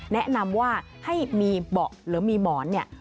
แนะนำว่าให้มีเบาะหรือมีหมอนเนี่ย